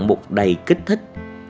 một đầy kích thích